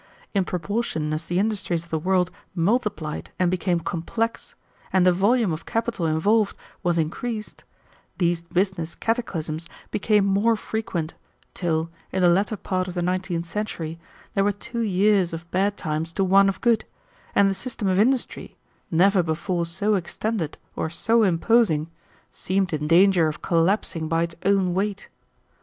In proportion as the industries of the world multiplied and became complex, and the volume of capital involved was increased, these business cataclysms became more frequent, till, in the latter part of the nineteenth century, there were two years of bad times to one of good, and the system of industry, never before so extended or so imposing, seemed in danger of collapsing by its own weight.